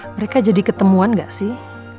mereka jadi ketemuan gak sih